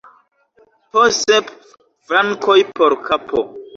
Po sep frankoj por kapo!